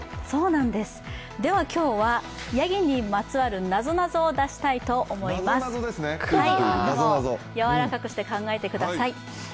では、今日はヤギにまつわるなぞなぞを出したいと思いますやわらかくして考えてください。